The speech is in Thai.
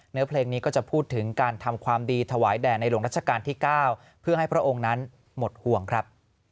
เนื้อเพลงนี้ก็จะพูดถึงการทำความดีถวายแด่ในหลวงรัชกาลที่๙เพื่อให้พระองค์นั้นหมดห่วงครับ